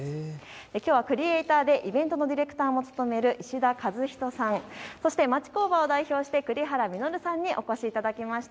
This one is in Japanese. きょうはクリエーターでイベントのディレクターも務める石田和人さん、そして町工場を代表して栗原稔さんにお越しいただきました。